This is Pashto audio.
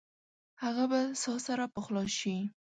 هغه به ساه سره پخلا شي بیرته؟